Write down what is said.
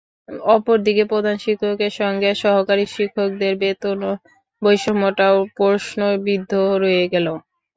অপর দিকে প্রধান শিক্ষকের সঙ্গে সহকারী শিক্ষকদের বেতন-বৈষম্যটাও প্রশ্নবিদ্ধ রয়ে গেল।